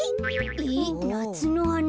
えなつのはな。